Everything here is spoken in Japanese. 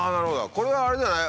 これはあれじゃない？